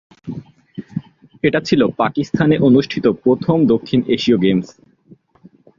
এটি ছিল পাকিস্তানে অনুষ্ঠিত প্রথম দক্ষিণ এশীয় গেমস।